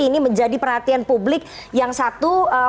ini menjadi perhatian publik yang satu